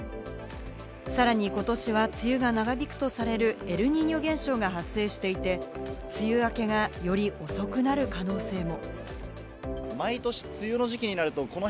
さらに今年は梅雨が長引くとされるエルニーニョ現象が発生していて、梅雨明けがより遅くなる可能性も。